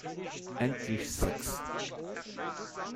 Endlich Sex!